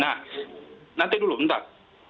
nah nanti dulu bentar